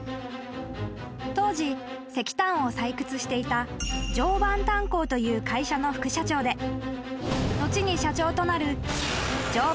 ［当時石炭を採掘していた常磐炭礦という会社の副社長で後に社長となる］